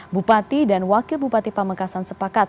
bupati dan wakil bupati pamekasan sepakat